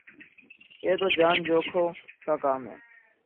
یہ تو جان جو کھوں کا کام ہے